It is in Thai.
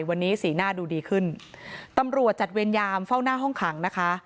วันนี้สีหน้าดูดีขึ้นตำรวจจัดเวรยามเฝ้าหน้าห้องขังนะคะ